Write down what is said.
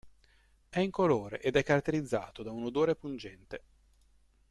È incolore ed è caratterizzato da un odore pungente.